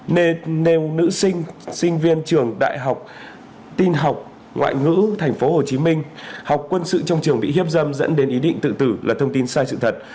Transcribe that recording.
nên nêu nữ sinh viên trường đại học tin học ngoại ngữ tp hcm học quân sự trong trường bị hiếp dâm dẫn đến ý định tự tử là thông tin sai sự thật